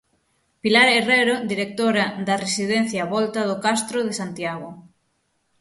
Pilar Herrero, directora da residencia Volta do Castro de Santiago.